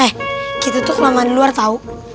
eh kita tuh kelaman luar tahu